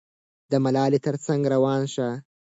د ملالۍ تر څنګ روان شه.